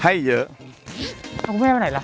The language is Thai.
ให้เยอะเอาคุณแม่ไปไหนล่ะ